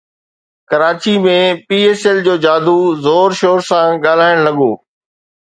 Karachi ۾ P S L جو جادو زور شور سان ڳالهائڻ لڳو